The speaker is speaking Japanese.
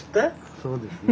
そうですね。